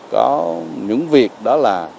có những việc đó là